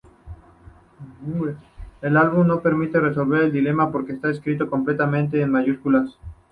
El álbum no permite resolver el dilema porque está escrito completamente en mayúsculas.